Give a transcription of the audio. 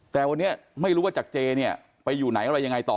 แต่วันนี้ไม่รู้ว่าจากเจเนี่ยไปอยู่ไหนอะไรยังไงต่อ